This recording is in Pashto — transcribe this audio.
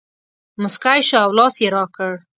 مسکی شو او لاس یې راکړ.